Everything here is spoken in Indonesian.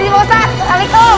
ini ustadz waalaikumsalam